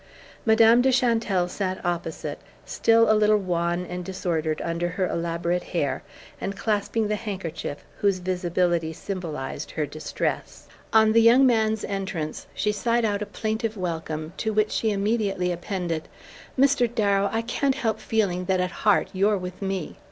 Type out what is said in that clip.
Madame de Chantelle sat opposite, still a little wan and disordered under her elaborate hair, and clasping the handkerchief whose visibility symbolized her distress. On the young man's entrance she sighed out a plaintive welcome, to which she immediately appended: "Mr. Darrow, I can't help feeling that at heart you're with me!"